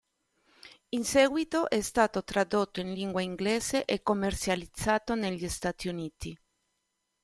In seguito è stato tradotto in lingua inglese e commercializzato negli Stati Uniti.